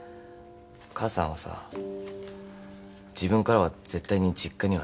母さんはさ自分からは絶対に実家には行かないんだから。